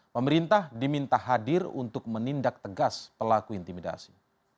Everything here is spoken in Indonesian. pemerintah diminta hadir untuk menindak tegas pelaku intimidasi